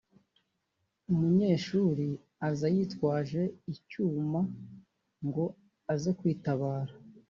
umunyeshuri aza yitwaje icyuma ngo aze kwitabara